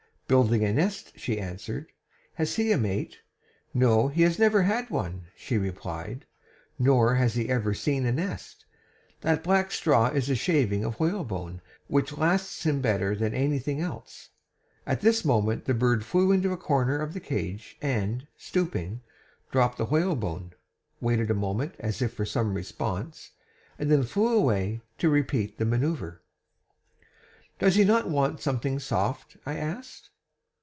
'Building a nest,' she answered. 'Has he a mate?' 'No, he has never had one,' she replied, 'nor has he ever seen a nest. That black straw is a shaving of whalebone which lasts him better than anything else.' At this moment the bird flew into a corner of the cage, and, stooping, dropped the whalebone, waited a moment as if for some response, and then flew away to repeat the manoeuvre. "'Does he not want something soft?' I asked.